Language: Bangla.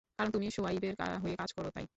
কারণ তুমি শোয়াইবের হয়ে কাজ করো তাই।